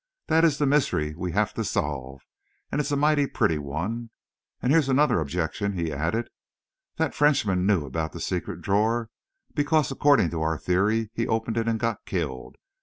That is the mystery we have to solve and it is a mighty pretty one. And here's another objection," he added. "That Frenchman knew about the secret drawer, because, according to our theory, he opened it and got killed.